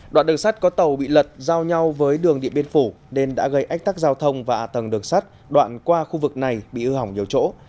đoạn đường sắt có tàu bị lật giao nhau với đường điện biên phủ nên đã gây ách tắc giao thông và tầng đường sắt đoạn qua khu vực này bị hư hỏng nhiều chỗ